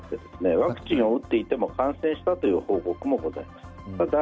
ワクチンを打っていても感染した報告もあります。